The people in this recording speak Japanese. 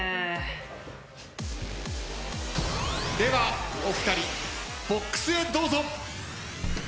ではお二人ボックスへどうぞ。